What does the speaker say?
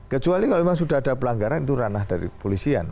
kecuali kalau memang sudah ada pelanggaran itu ranah dari polisian